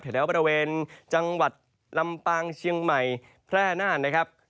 แถวบริเวณจังหวัดลำปางเชียงใหม่แพร่นานนะครับ